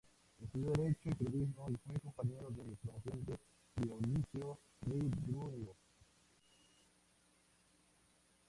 En el mismo sentido, la Fiscalía de Gerona denunció a otros seis controladores.